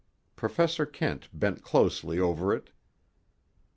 Professor Kent bent closely over it.